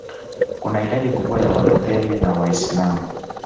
kuna idadi kubwa ya Walutheri na Waislamu